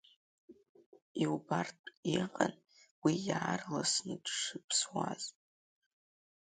Иубартә иҟан уи иаарласны дшыԥсуаз.